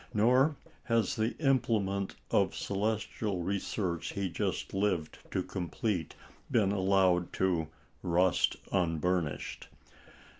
Nor has the implement of celestial research he just lived to complete been allowed to "rust unburnished."